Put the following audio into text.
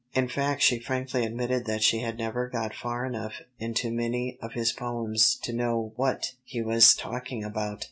In fact she frankly admitted that she had never got far enough into many of his poems to know what he was talking about.